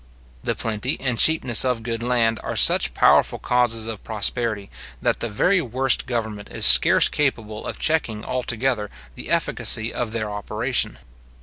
The plenty and cheapness of good land are such powerful causes of prosperity, that the very worst government is scarce capable of checking altogether the efficacy of their operation.